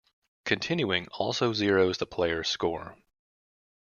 Continuing also zeroes the player's score.